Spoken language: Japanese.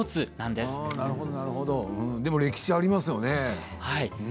でも歴史はありますよね。